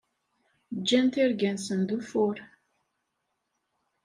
Ǧǧan tigra-nsen d ufur.